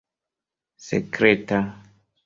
sekreta